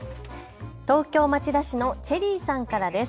東京町田市のチェリーさんからです。